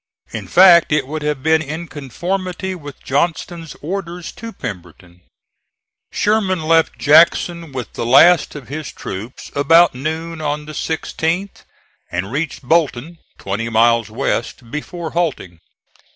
In fact it would have been in conformity with Johnston's orders to Pemberton. Sherman left Jackson with the last of his troops about noon on the 16th and reached Bolton, twenty miles west, before halting.